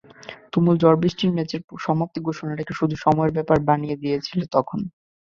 তুমুল ঝড়বৃষ্টি ম্যাচের সমাপ্তি ঘোষণাটাকে শুধুই সময়ের ব্যাপার বানিয়ে দিয়েছিল তখনই।